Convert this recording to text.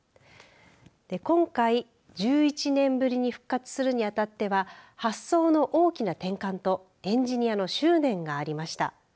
今回１１年ぶりに復活するにあたっては発想の大きな転換とエンジニアの執念がありました。